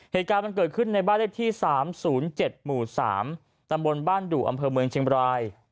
เหตุการณ์มันเกิดขึ้นในบ้านเลขที่๓๐๗หมู่๓ตำบลบ้านดุอำเภอเมืองเชียงบราย